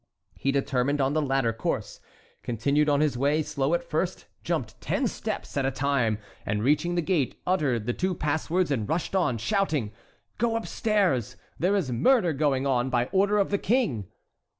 He determined on the latter course, continued on his way, slow at first, jumped ten steps at a time, and reaching the gate uttered the two passwords and rushed on, shouting out: "Go upstairs; there is murder going on by order of the King."